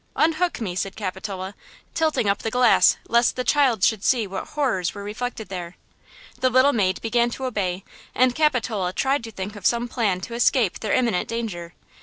"Unhook me!" said Capitola, tilting up the glass lest the child should see what horrors were reflected there. The little maid began to obey and Capitola tried to think of some plan to escape their imminent danger.